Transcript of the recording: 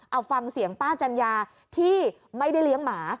เอาฟังเสียงป้าจัญญาที่ไม่ได้เลี้ยงหมา